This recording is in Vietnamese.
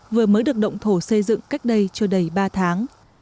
vừa mới được động thổ xây dựng cách đây chưa đầy ba tháng